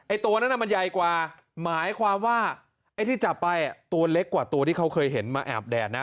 ตัวนั้นมันใหญ่กว่าหมายความว่าไอ้ที่จับไปตัวเล็กกว่าตัวที่เขาเคยเห็นมาแอบแดดนะ